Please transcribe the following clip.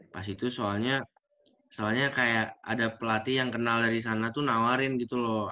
pas itu soalnya soalnya kayak ada pelatih yang kenal dari sana tuh nawarin gitu loh